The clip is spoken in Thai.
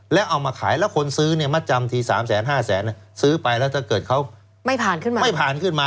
แล้วเอามาขายแล้วคนซื้อมาจำที๓๕แสนซื้อไปแล้วเกิดเขาไม่ผ่านขึ้นมา